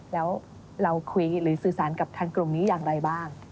แล้วเราคุยหรือสื่อสารกับทางกลุ่มนี้อย่างไรบ้าง